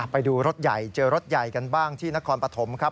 ไปดูรถใหญ่เจอรถใหญ่กันบ้างที่นครปฐมครับ